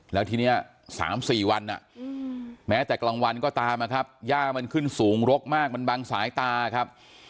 แล้วทีนี้๓๔วันแม้แต่กลางวันก็ตามนะครับย่ามันขึ้นสูงรกมากมันบังสายตาครับ